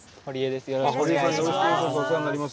よろしくお願いします。